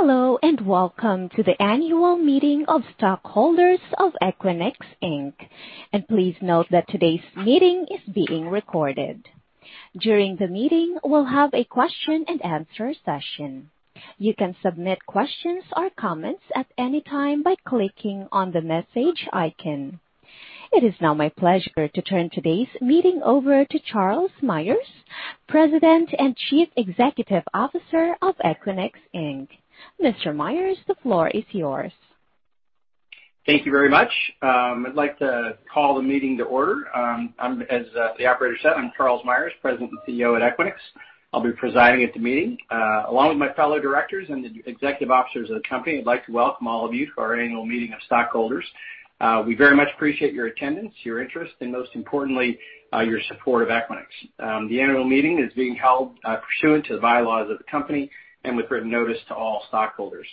Hello, welcome to the annual meeting of stockholders of Equinix, Inc. Please note that today's meeting is being recorded. During the meeting, we'll have a question and answer session. You can submit questions or comments at any time by clicking on the message icon. It is now my pleasure to turn today's meeting over to Charles Meyers, President and Chief Executive Officer of Equinix, Inc. Mr. Meyers, the floor is yours. Thank you very much. I'd like to call the meeting to order. As the operator said, I'm Charles Meyers, President and CEO at Equinix. I'll be presiding at the meeting. Along with my fellow directors and the executive officers of the company, I'd like to welcome all of you to our annual meeting of stockholders. We very much appreciate your attendance, your interest, and most importantly, your support of Equinix. The annual meeting is being held pursuant to the bylaws of the company and with written notice to all stockholders.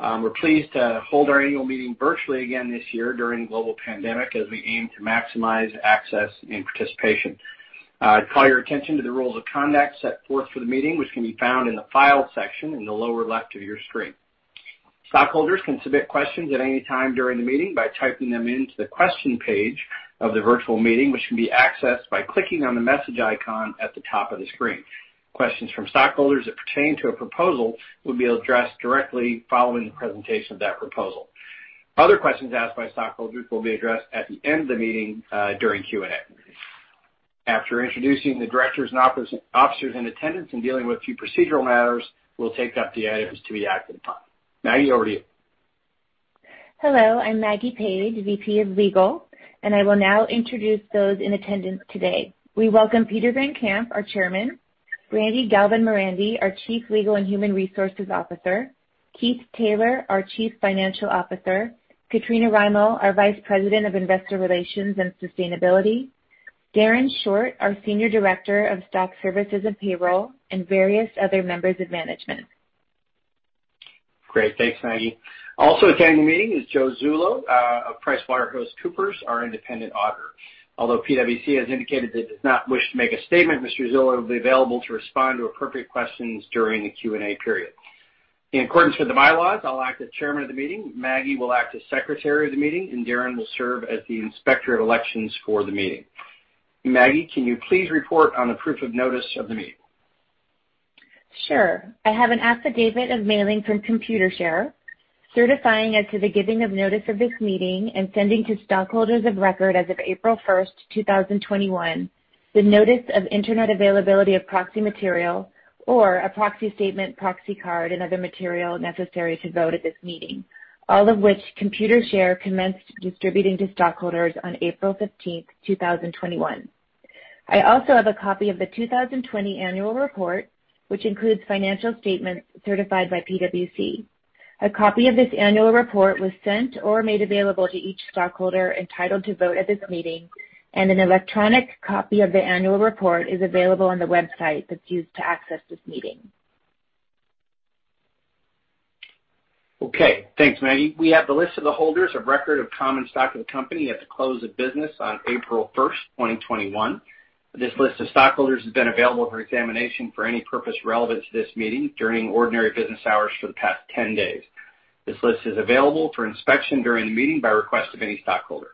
We're pleased to hold our annual meeting virtually again this year during global pandemic as we aim to maximize access and participation. I call your attention to the rules of conduct set forth for the meeting, which can be found in the files section in the lower left of your screen. Stockholders can submit questions at any time during the meeting by typing them into the question page of the virtual meeting, which can be accessed by clicking on the message icon at the top of the screen. Questions from stockholders that pertain to a proposal will be addressed directly following the presentation of that proposal. Other questions asked by stockholders will be addressed at the end of the meeting during Q&A. After introducing the directors and officers in attendance and dealing with a few procedural matters, we'll take up the items to be acted upon. Maggie, over to you. Hello, I'm Maggie Paige, VP of Legal, and I will now introduce those in attendance today. We welcome Peter Van Camp, our Chairman. Brandi Galvin Morandi, our Chief Legal and Human Resources Officer. Keith Taylor, our Chief Financial Officer. Katrina Rymill, our Vice President of Investor Relations and Sustainability. Darren Short, our Senior Director of Stock Services and Payroll, and various other members of management. Great. Thanks, Maggie. Also attending the meeting is Joe Zullo of PricewaterhouseCoopers, our independent auditor. Although PwC has indicated it does not wish to make a statement, Mr. Zullo will be available to respond to appropriate questions during the Q&A period. In accordance with the bylaws, I'll act as chairman of the meeting, Maggie will act as secretary of the meeting, and Darren will serve as the inspector of elections for the meeting. Maggie, can you please report on the proof of notice of the meeting? Sure. I have an affidavit of mailing from Computershare certifying as to the giving of notice of this meeting and sending to stockholders of record as of April 1st, 2021, the notice of internet availability of proxy material or a proxy statement, proxy card, and other material necessary to vote at this meeting, all of which Computershare commenced distributing to stockholders on April 15, 2021. I also have a copy of the 2020 annual report, which includes financial statements certified by PwC. A copy of this annual report was sent or made available to each stockholder entitled to vote at this meeting. An electronic copy of the annual report is available on the website that's used to access this meeting. Thanks, Maggie. We have the list of the holders of record of common stock of the company at the close of business on April first, 2021. This list of stockholders has been available for examination for any purpose relevant to this meeting during ordinary business hours for the past 10 days. This list is available for inspection during the meeting by request of any stockholder.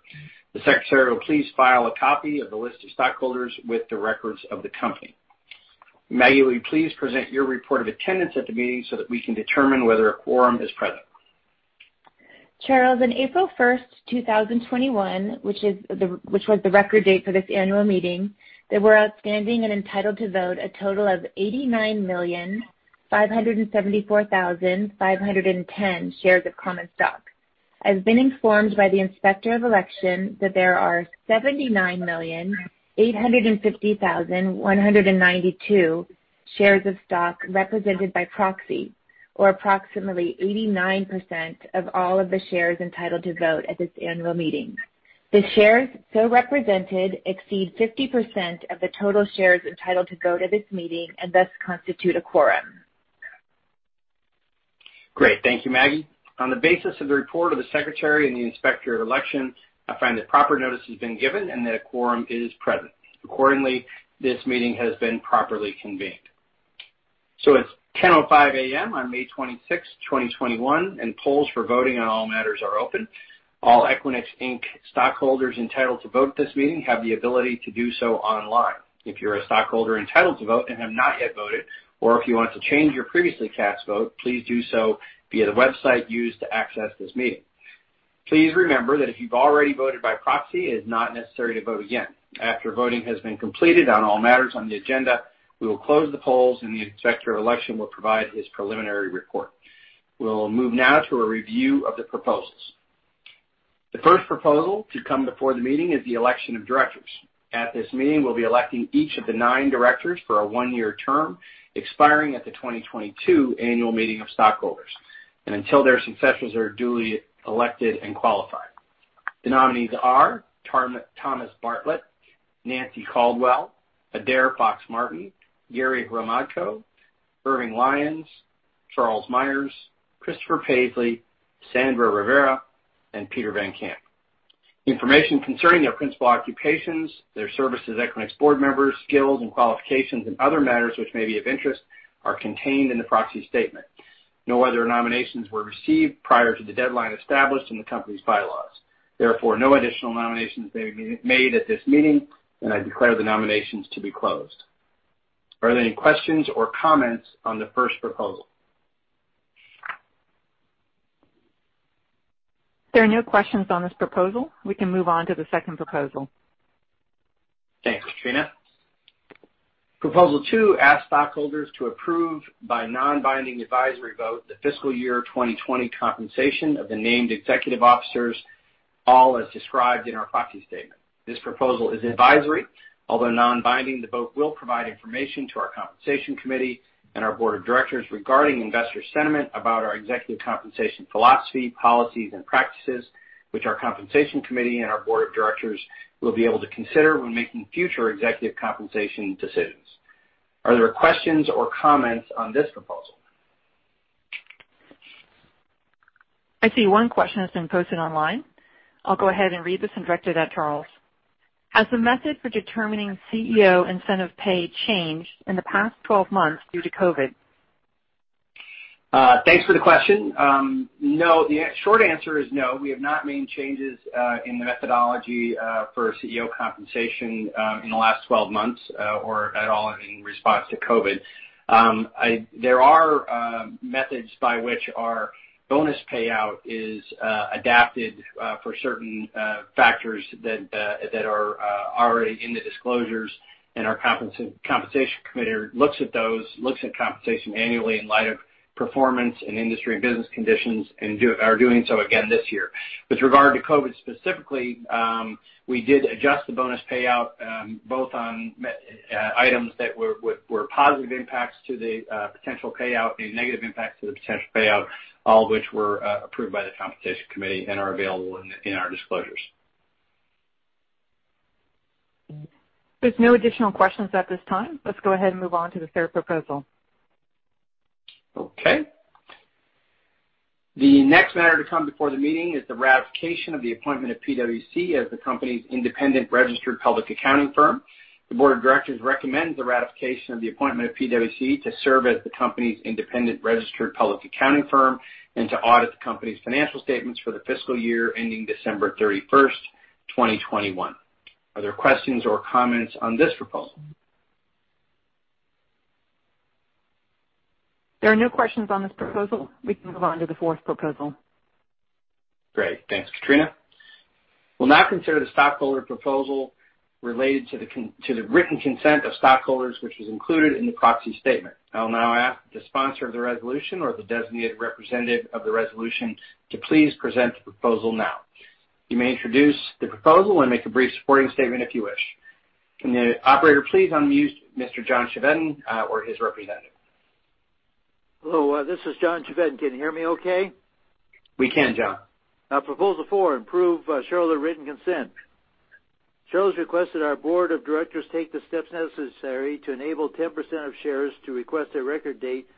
The secretary will please file a copy of the list of stockholders with the records of the company. Maggie, will you please present your report of attendance at the meeting so that we can determine whether a quorum is present? Charles, on April 1st, 2021, which was the record date for this annual meeting, there were outstanding and entitled to vote a total of 89,574,510 shares of common stock. I've been informed by the inspector of election that there are 79,850,192 shares of stock represented by proxy, or approximately 89% of all of the shares entitled to vote at this annual meeting. The shares so represented exceed 50% of the total shares entitled to go to this meeting and thus constitute a quorum. Great. Thank you, Maggie. On the basis of the report of the secretary and the inspector of election, I find that proper notice has been given and that a quorum is present. Accordingly, this meeting has been properly convened. It's 10:05 A.M. on May 26, 2021, and polls for voting on all matters are open. All Equinix, Inc. stockholders entitled to vote at this meeting have the ability to do so online. If you're a stockholder entitled to vote and have not yet voted, or if you want to change your previously cast vote, please do so via the website used to access this meeting. Please remember that if you've already voted by proxy, it is not necessary to vote again. After voting has been completed on all matters on the agenda, we will close the polls, and the inspector of election will provide his preliminary report. We'll move now to a review of the proposals. The first proposal to come before the meeting is the election of directors. At this meeting, we'll be electing each of the nine directors for a one-year term expiring at the 2022 annual meeting of stockholders, and until their successors are duly elected and qualified. The nominees are Thomas Bartlett, Nanci Caldwell, Adaire Fox-Martin, Gary Hromadko, Irving Lyons, Charles Meyers, Chris Paisley, Sandra Rivera, and Peter Van Camp. Information concerning their principal occupations, their service as Equinix board members, skills and qualifications, and other matters which may be of interest are contained in the proxy statement. No other nominations were received prior to the deadline established in the company's bylaws. Therefore, no additional nominations may be made at this meeting, and I declare the nominations to be closed. Are there any questions or comments on the first proposal? If there are no questions on this proposal, we can move on to the second proposal. Thanks, Katrina. Proposal two, ask stockholders to approve by non-binding advisory vote the fiscal year 2020 compensation of the named executive officers, all as described in our proxy statement. This proposal is advisory, although non-binding, the vote will provide information to our Compensation Committee and our Board of Directors regarding investor sentiment about our executive compensation philosophy, policies, and practices, which our Compensation Committee and our Board of Directors will be able to consider when making future executive compensation decisions. Are there questions or comments on this proposal? I see one question has been posted online. I'll go ahead and read this and direct it at Charles. Has the method for determining CEO incentive pay changed in the past 12 months due to COVID? Thanks for the question. The short answer is no. We have not made changes in methodology for CEO compensation in the last 12 months or at all in response to COVID. There are methods by which our bonus payout is adapted for certain factors that are already in the disclosures. Our Compensation Committee looks at those, looks at compensation annually in light of performance and industry business conditions and are doing so again this year. With regard to COVID specifically, we did adjust the bonus payout both on items that were positive impacts to the potential payout and negative impacts to the potential payout, all which were approved by the Compensation Committee and are available in our disclosures. There's no additional questions at this time. Let's go ahead and move on to the third proposal. Okay. The next matter to come before the meeting is the ratification of the appointment of PwC as the company's independent registered public accounting firm. The board of directors recommends the ratification of the appointment of PwC to serve as the company's independent registered public accounting firm and to audit the company's financial statements for the fiscal year ending December 31st, 2021. Are there questions or comments on this proposal? There are no questions on this proposal. We can move on to the fourth proposal. Great. Thanks, Katrina. We'll now consider the stockholder proposal related to the written consent of stockholders, which is included in the proxy statement. I'll now ask the sponsor of the resolution or the designated representative of the resolution to please present the proposal now. You may introduce the proposal and make a brief supporting statement if you wish. Can the operator please unmute Mr. John Chevedden or his representative? Hello, this is John Chevedden. Can you hear me okay? We can, John. Proposal four, improve shareholder written consent. Shares request that our board of directors take the steps necessary to enable 10% of shares to request a record date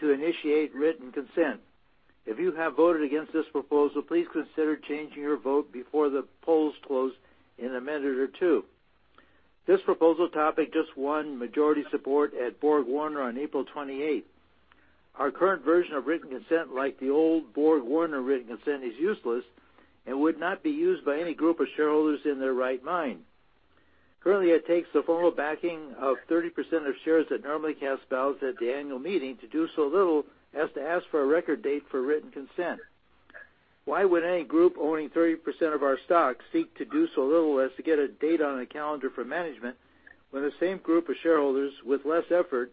to initiate written consent. If you have voted against this proposal, please consider changing your vote before the polls close in a minute or two. This proposal topic just won majority support at BorgWarner on April 28th. Our current version of written consent, like the old BorgWarner written consent, is useless and would not be used by any group of shareholders in their right mind. Currently, it takes the formal backing of 30% of shares that normally cast ballots at the annual meeting to do so little as to ask for a record date for written consent. Why would any group owning 30% of our stock seek to do so little as to get a date on a calendar for management, when the same group of shareholders with less effort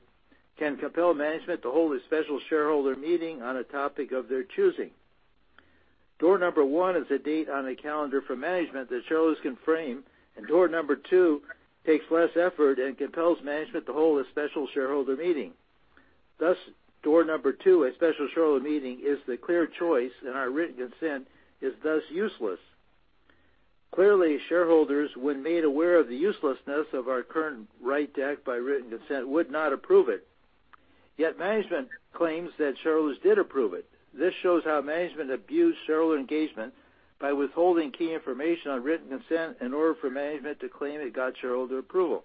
can compel management to hold a special shareholder meeting on a topic of their choosing? Door number one is a date on the calendar for management that shareholders can frame. Door number two takes less effort and compels management to hold a special shareholder meeting. Door number two, a special shareholder meeting, is the clear choice, and our written consent is thus useless. Clearly, shareholders, when made aware of the uselessness of our current right to act by written consent, would not approve it. Management claims that shareholders did approve it. This shows how management abused shareholder engagement by withholding key information on written consent in order for management to claim it got shareholder approval.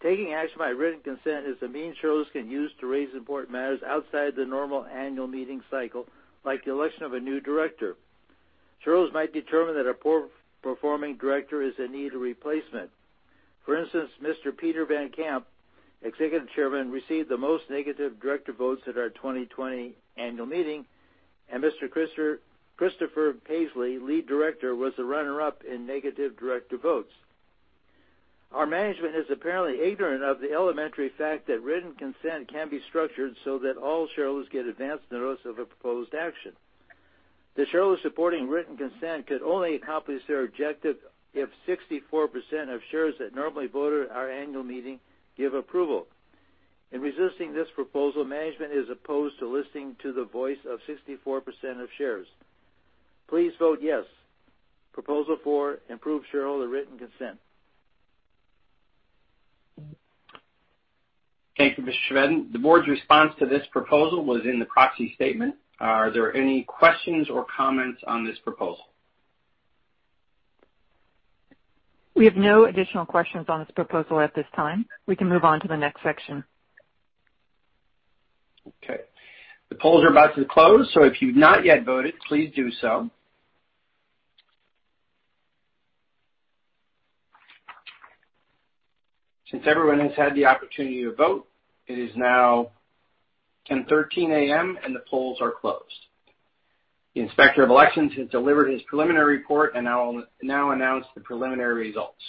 Taking action by written consent is a means shareholders can use to raise important matters outside the normal annual meeting cycle, like the election of a new director. Shareholders might determine that a poor-performing director is in need of replacement. For instance, Mr. Peter Van Camp, Executive Chairman, received the most negative director votes at our 2020 annual meeting, and Mr. Christopher Paisley, Lead Director, was the runner-up in negative director votes. Our management is apparently ignorant of the elementary fact that written consent can be structured so that all shareholders get advanced notice of a proposed action. The shareholders supporting written consent could only accomplish their objective if 64% of shares that normally voted at our annual meeting give approval. In resisting this proposal, management is opposed to listening to the voice of 64% of shares. Please vote yes. Proposal four, Improve Shareholder Written Consent. Thank you, Mr. Chevedden. The board's response to this proposal was in the proxy statement. Are there any questions or comments on this proposal? We have no additional questions on this proposal at this time. We can move on to the next section. Okay. The polls are about to close, so if you've not yet voted, please do so. Since everyone has had the opportunity to vote, it is now 10:13 A.M., and the polls are closed. The Inspector of Elections has delivered his preliminary report, and I will now announce the preliminary results.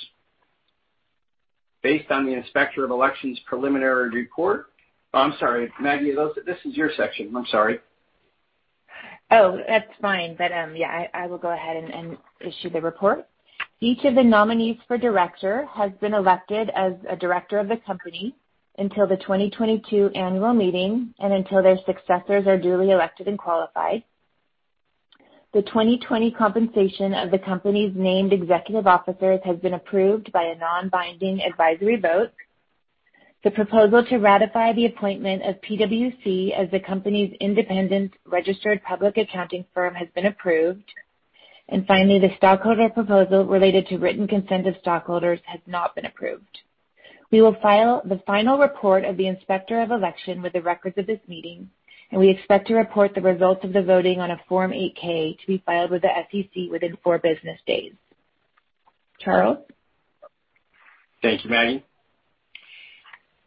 Based on the Inspector of Elections' preliminary report. Oh, I'm sorry. Maggie Paige, this is your section. I'm sorry. Oh, that's fine. Yeah, I will go ahead and issue the report. Each of the nominees for director has been elected as a director of the company until the 2022 annual meeting and until their successors are duly elected and qualified. The 2020 compensation of the company's named executive officers has been approved by a non-binding advisory vote. The proposal to ratify the appointment of PwC as the company's independent registered public accounting firm has been approved. Finally, the stockholder proposal related to written consent of stockholders has not been approved. We will file the final report of the Inspector of Election with the records of this meeting, and we expect to report the results of the voting on a Form 8-K to be filed with the SEC within four business days. Charles? Thank you, Maggie.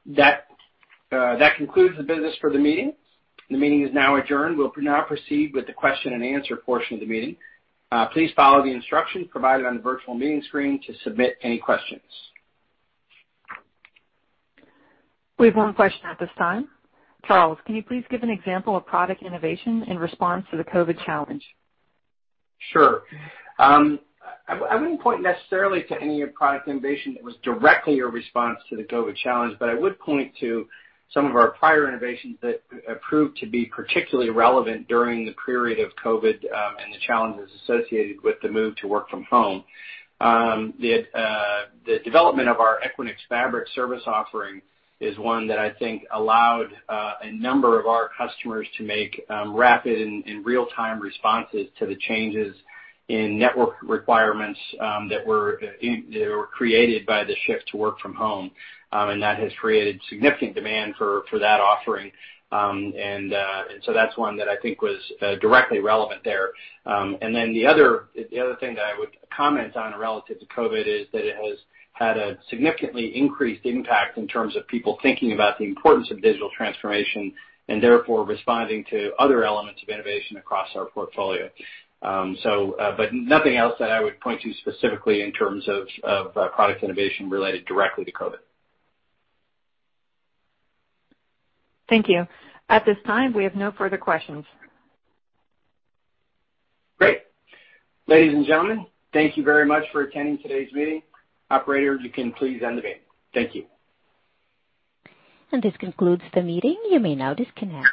That concludes the business for the meeting. The meeting is now adjourned. We'll now proceed with the question and answer portion of the meeting. Please follow the instructions provided on the virtual meeting screen to submit any questions. We have one question at this time. Charles, can you please give an example of product innovation in response to the COVID challenge? Sure. I wouldn't point necessarily to any product innovation that was directly a response to the COVID challenge, but I would point to some of our prior innovations that proved to be particularly relevant during the period of COVID, and the challenges associated with the move to work from home. The development of our Equinix Fabric service offering is one that I think allowed a number of our customers to make rapid and real-time responses to the changes in network requirements that were created by the shift to work from home. That has created significant demand for that offering. That's one that I think was directly relevant there. The other thing that I would comment on relative to COVID is that it has had a significantly increased impact in terms of people thinking about the importance of digital transformation and therefore responding to other elements of innovation across our portfolio. Nothing else that I would point to specifically in terms of product innovation related directly to COVID. Thank you. At this time, we have no further questions. Great. Ladies and gentlemen, thank you very much for attending today's meeting. Operator, you can please end the meeting. Thank you. This concludes the meeting. You may now disconnect.